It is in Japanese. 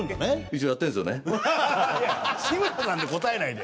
志村さんで答えないで。